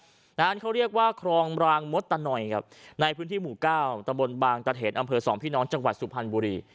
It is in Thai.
ร้านเขาเรียกว่าครองรางมดตะนอยครับในพื้นที่หมู่เก้าตะบนบางตะเถนอำเภอสองพี่น้องจังหวัดสุพรรณบุรี